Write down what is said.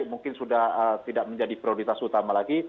mungkin sudah tidak menjadi prioritas utama lagi